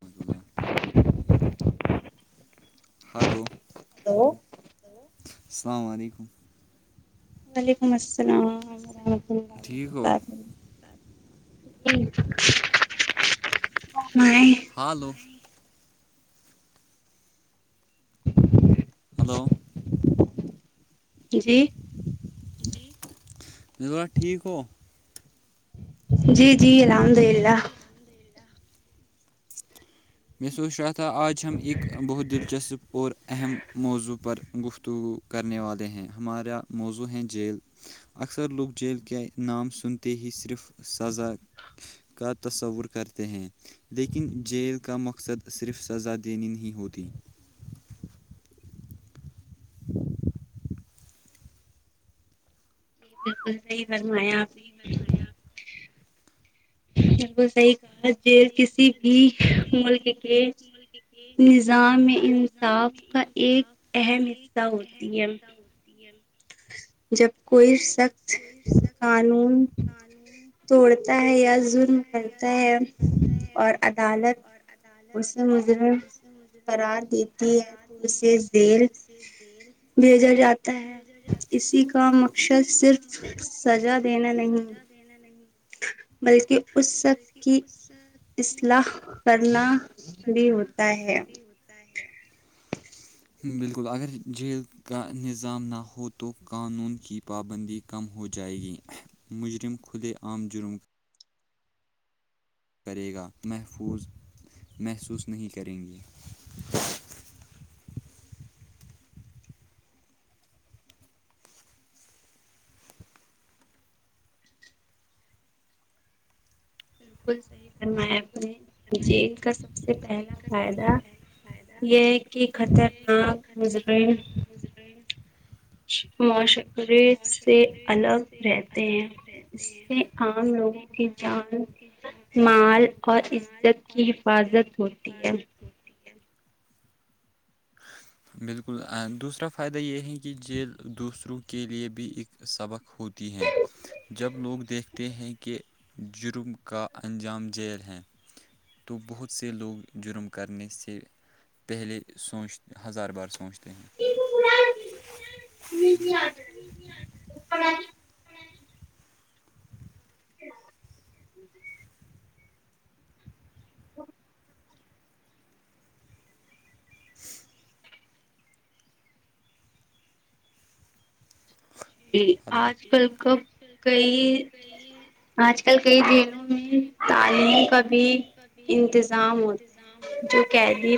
ملہ hello [inaudible] hello السلام علیکم وعلیکم السلام ورحمۃ اللہ و برکاتہ [inaudible] ج [inaudible] ہلو ہلو جی مے ب ٹھیک ہو [inaudible] جی جی الحمد للہ میں سوچ رہا تھا آج ہم ایک بہت دلچسپ اور اہم موضوع پر گفتگو کرنے والے ہیں ہمارا موضوع ہیں جیل اکثر لوگ جیل کے نام سنتے ہی صرف سزا کا تصور کرتے ہیں لیکن جیل کا مقصد صرف سزا دینی نہیں ہوتی بالکل صحی فرمایا آپ [unintelligible] کرا [unintelligible] بالکل صحی جیل کسی بھی ملک کے نظام میں ان نظام میں انصاف کا ایک اہم حصہ ہوتی ہے [unintelligible] ہچ [unintelligible] جب کوئی سخت قانون توڑتا ہے یا ظلم [unintelligible] مھ [unintelligible] کرلتا ہے اور عدالت اس سے مجھے [unintelligible] فرار دیتی ہے اسے دل بھیجا جاتا ہے اسی کا مقصد صرف سزا دینا نہیں دینا نہیں [unintelligible] بلکہ اس شخص کی [unintelligible] اصلاح کرنا بھی ہوتا ہے ہوتا ہے [inaudible] بالکل اگر جیل کا نظام نہ ہو تو قانون کی پابندی کم ہو جائے گی مجرم کلے عام جرم کرے گا محفوظ محسوس نہیں کریں گے بالکل صحیح فرمایا آپ نے جیل کا سب سے پہلا فائدہ یہ کہ خطرناک مضر [unintelligible] بھ پے [unintelligible] مش [unintelligible] سے الگ رہتے ہیں اس سے عام لوگوں کی جان [unintelligible] مال اور عزت کی حفاظت ہوتی ہے ٹھیک ہے [unintelligible] [inaudible] بالکل دوسرا فائدہ یہ ہے کہ جیل دوسروں کے لیے بھی ایک سبق ہوتی ہے جب لوگ دیکھتے ہیں کہ جرم کا انجام جیل ہے [unintelligible] تو بہت سے لوگ جرم کرنے سے پہلے [unintelligible] سوچ ہزار بار سوچتے ہیں [unintelligible] [unintelligible] ہ [unintelligible] [unintelligible] ہلو ج آج کل تو کئی [unintelligible] آج کل کئی جیلوں میں تعلیم کا بھی انتظام ہوتا ہو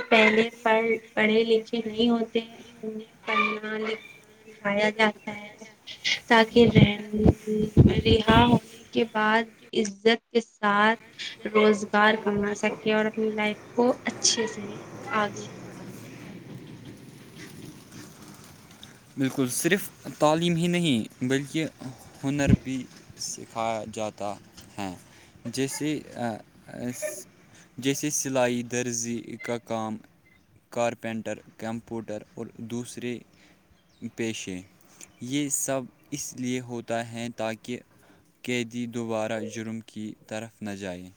جو قیدمی پہلے پر پڑھے لیکن یہی مودی [unintelligible] پڑھنا لکھنا سکھایا جاتا ہے [unintelligible] تاکہ رہا ہونے کے بعد عزت [unintelligible] کے ساتھ روز [unintelligible] کار کما سک اور اپنی لائف کو اچھے سے آگے [unintelligible] بالکل صرف تعلیم ہی نہیں بلکہ ہنر بھی سکھایا جاتا ہے جیے [unintelligible] جیسے سلائی درزی کا کام کارپینٹر کمپوٹر اور دوسرے پیشے یہ سب اس لیے ہوتا ہے تاکہ قیدی دوبارہ جرم کی طرف نہ جائیں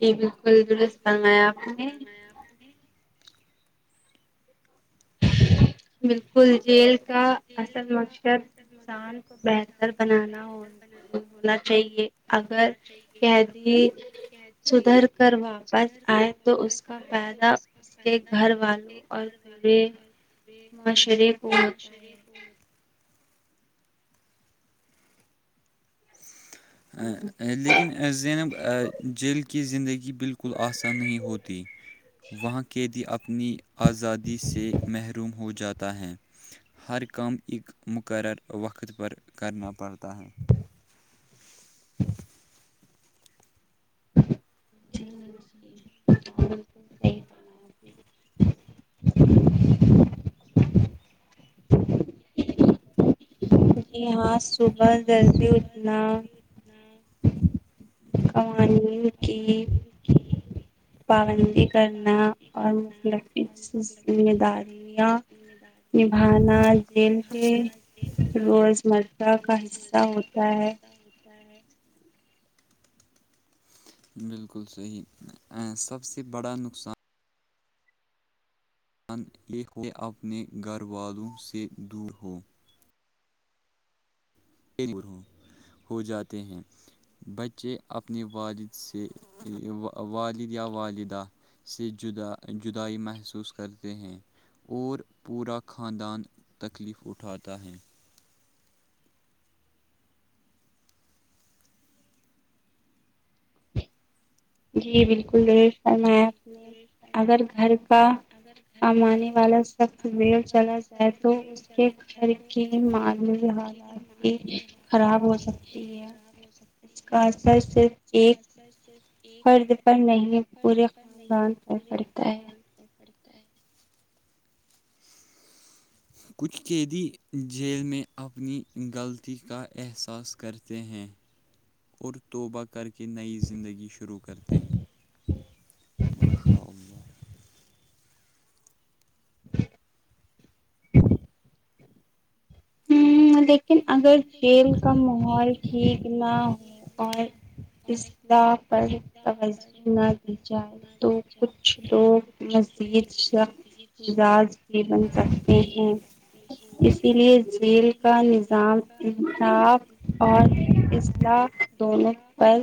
جی بالکل درست فرمایا آپ نے [unintelligible] بالکل جیل کا اصل مقصد انسان کو بہتر بنانا اور ہونا چاہیے اگر قیدی سدھر کر واپس آئے تو اس کا فائدہ اس کے گھر والوں اور پورے [unintelligible] لیکن زینب جیل کی زندگی بالکل آسان نہیں ہوتی وہاں کے دی اپنی آزادی سے محروم ہو جاتا ہے ہر کام ایک مقرر وقت پر کرنا پڑتا ہے [inaudible] [unintelligible] جی ہاں یہاں صبح جلدی اڑھنا قوانی کی پندند پابندی کرنا اور ذمہ دار بنا دل کی روزمرہ کا حصہ [unintelligible] بالکل صحیح سب سے بڑا نقصان ان یہ اپنے گھر والوں سے دور ہو گرہوں ہو جاتے ہیں بچے اپنے والد سے والد یا والدہ سے جدا جدائی محسوس کرتے ہیں اور پورا خاندان تکلیف اٹھاتا ہے جی بالکل رش اور میں اپنے اگر گھر کا کمانے والا سخص ویل چلا ہے تو اس کے گھر کی مالی حالات بھی خراب ہو سکتے اس کا اثر صرف پارٹنر صرف ایک فرد پر نہیں پورے خاندان پر پڑتا ہے پڑتا ہے کچھ قیدی جیل میں اپنی غلطی کا احساس کرتے ہیں اور توبہ کر کے نئی زندگی شروع کرتے ہیں ماشاء اللہ [inaudible] لیکن اگر جیل کا ماحول ٹھیک نہ ہو اور اصلاح پر توجہ نہ دی جائے تو کچھ لوگ مزید شخص مزاز بھی بن سکتے ہیں اس اس لیے جیل کا نظام انصاف اور اصلاح دونوں پر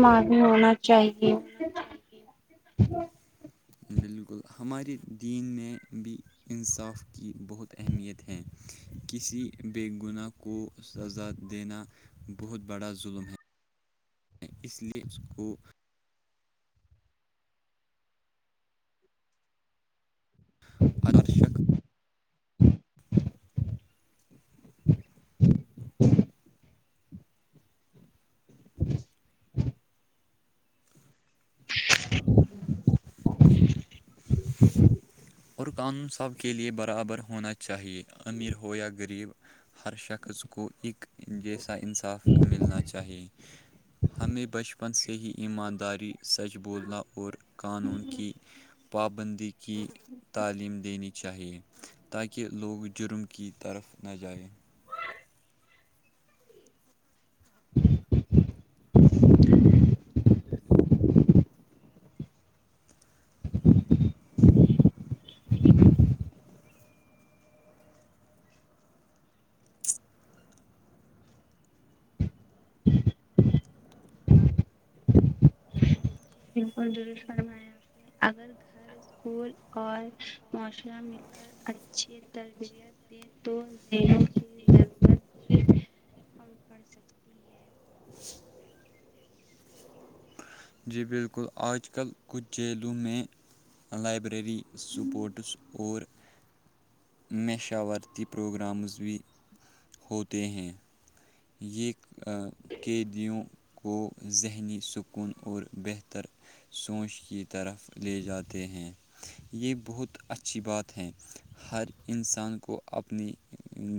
معی ہونا چاہے بالکل ہمارے دین میں بھی انصاف کی بہت اہمیت ہے کسی بے گناہ کو سزا دینا بہت بڑا ظلم ہے اس لیے اس کو آدر شک [inaudible] [inaudible] [inaudible] اور قانون سب کے لیے برابر ہونا چاہیے امیر ہو یا غریب ہر شخص کو ایک جیسا انصاف ملنا چاہیے ہمیں بچپن سے ہی ایمانداری سچ بولنا اور قانون کی پابندی کی تعلیم دینی چاہیے تاکہ لوگ جرم کی طرف نہ جائے [inaudible] [inaudible] [inaudible] جی بالکل در فرمایا آپ نے اگر [inaudible] اسکول اور معاشرہ مل کر اچھی تربیت [inaudible] تووں کی ضرورت بھی کم پڑ سکتی ہے [inaudible] جی بالکل آج کل کچھ جیلوں میں لائبریری سپورٹس اور مشاورتی پروگرامز بھی ہوتے ہیں یہ قیدیوں کو ذہنی سکون اور بہتر سوچ کی طرف لے جاتے ہیں یہ بہت اچھی بات ہے ہر انسان کو اپنی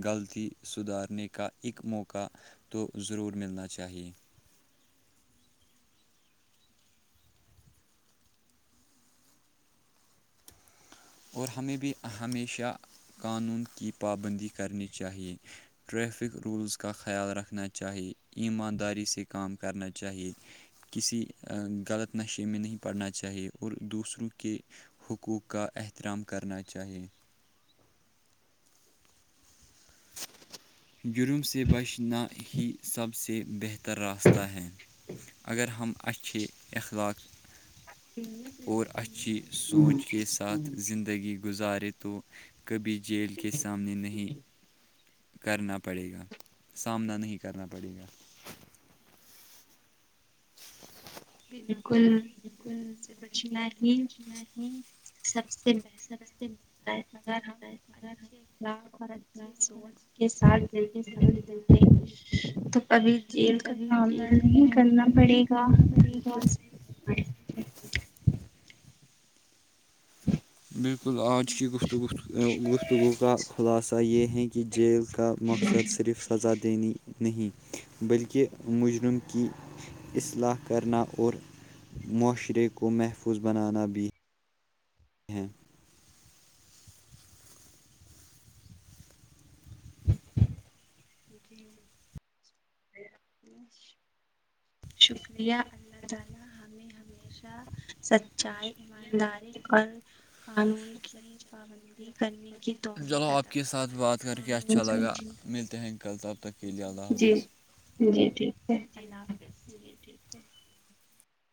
غلطی سدھارنے کا ایک موقع کا تو ضرور ملنا چاہیے اور ہمیں بھی ہمیشہ قانون کی پابندی کرنی چاہیے ٹریفک رولز کا خیال رکھنا چاہیے ایمانداری سے کام کرنا چاہیے کسی غلط نشے میں نہیں پڑھنا چاہیے اور دوسروں کے حقوق کا احترام کرنا چاہیے جرم سے بچنا ہی سب سے بہتر راستہ ہے اگر ہم اچ اخلاق اور اچھی سوچ کے سات ساتھ زندگی گزارے تو کبھی جیل کے سامنے نہیں کرنا پڑے گا سامنا نہیں کرنا پڑے گا بالکل سے بچ ہی [inaudible] سب سے بہترتا ہے مگر ہم اچھے [inaudible] اور اچھی سوچ کے ساتھ جے تو [inaudible] ابھی جیل کا سامنا نہیں کرنا پڑے گا بکل [inaudible] اچ [inaudible] بالکل آج کی گفتگ گفتگو کا خلاصہ یہ ہے کہ کہ جیل کا مقصد صرف سزا دینی نہیں بلکہ مجرم کی اصلاح کرنا اور معاشرے کو محفوظ بنانا بھی ہے ہیں [inaudible] جی [inaudible] شکریہ اللہ تعالی ہمیں ہم [inaudible] ہمیشہ سچائی ایمانداری اور قانونی کی [inaudible] سچچا [inaudible] چلو آپ کے ساتھ بات کر کے اچھا لگا ملتے ہیں کل تب تک کے لیے اللہ حافظ جی ٹھیک [inaudible] جی جی ٹھیک ہے [inaudible]